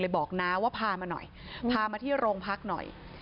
บอกน้าว่าพามาหน่อยพามาที่โรงพักหน่อย